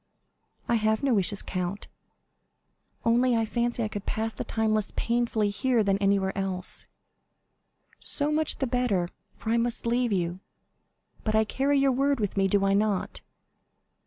"I have no wishes, count; only I fancy I could pass the time less painfully here than anywhere else." "So much the better, for I must leave you; but I carry your word with me, do I not?"